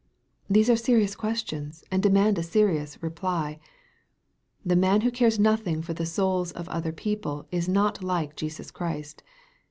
These are serious questions, and demand a serious reply. The man who cares nothing for the souls of other people is not like Jesus Christ.